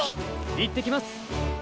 いってきます！